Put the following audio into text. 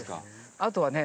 あとはね